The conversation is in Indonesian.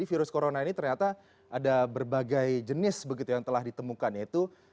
virus corona ini ternyata ada berbagai jenis begitu yang telah ditemukan yaitu